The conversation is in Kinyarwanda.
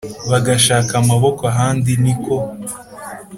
bagashaka amaboko ahandi Ni ko